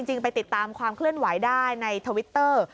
ไปติดตามความเคลื่อนไหวได้ในทวิตเตอร์